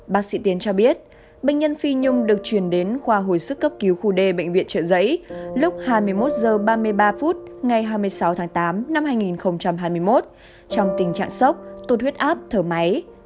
bác sĩ tiến cho biết bệnh nhân phi nhung được chuyển đến khoa hồi sức cấp cứu khu đề bệnh viện trợ giấy lúc hai mươi một h ba mươi ba phút ngày hai mươi sáu tháng tám năm hai nghìn hai mươi một trong tình trạng sốc tụt huyết áp thở máy